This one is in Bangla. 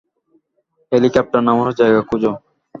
হেলিকপ্টার নামানোর জায়গা খোঁজো।